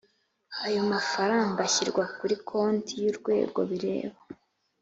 Ayo mafaranga ashyirwa kuri konti y’Urwego bireba